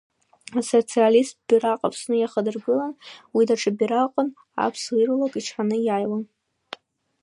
Асоциалисттә бираҟ Аԥсны иахадыргылан, уи даҽа бираҟын, аԥсуаа ирулак ичҳаны иааиуан.